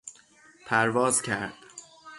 پرواز کرد